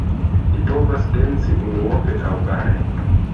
Oni povas danci unuope aŭ pare.